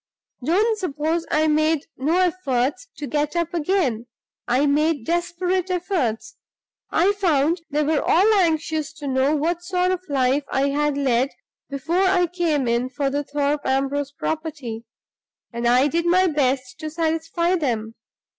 Don't suppose I made no efforts to get up again! I made desperate efforts. I found they were all anxious to know what sort of life I had led before I came in for the Thorpe Ambrose property, and I did my best to satisfy them.